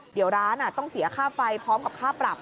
เดี๋ยวร้านต้องเสียค่าไฟพร้อมกับค่าปรับ